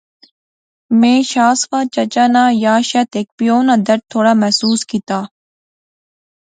میں شاہ سوار چچا نا یا شیت ہیک پیو ناں درد تھوڑا محسوس کیتیا